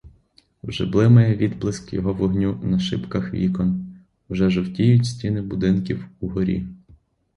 Вже блимає відблиск його вогню на шибках вікон, уже жовтіють стіни будинків угорі.